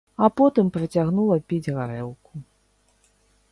А потым працягнула піць гарэлку.